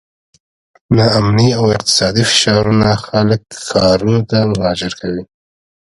ناامني او اقتصادي فشارونه خلک ښارونو ته مهاجر کوي.